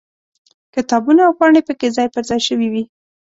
کتابونه او پاڼې پکې ځای پر ځای شوي وي.